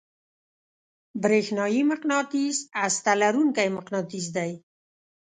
برېښنايي مقناطیس هسته لرونکی مقناطیس دی.